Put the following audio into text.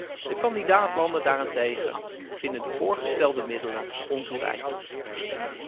De kandidaat-landen daarentegen vinden de voorgestelde middelen ontoereikend.